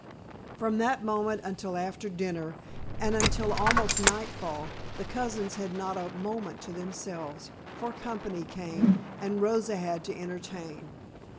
From that moment until after dinner and until almost nightfall, the cousins had not a moment to themselves, for company came, and Rosa had to entertain.